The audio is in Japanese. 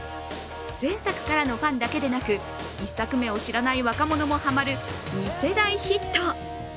前作からのファンだけでなく１作目を知らない若者もハマる２世代ヒット。